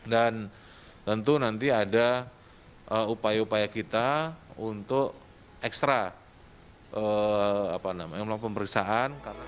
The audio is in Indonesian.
dan tentu nanti ada upaya upaya kita untuk ekstra melakukan pemeriksaan